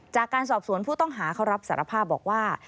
จากการสอบสวนผู้ต้องหาเขารับสารภาพบอกว่า